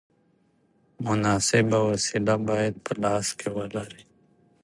مناسبه وسیله باید په لاس کې ولرې.